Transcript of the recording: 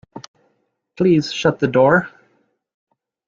Please shut the door.